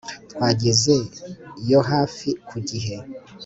twageze yo hafi ku gihe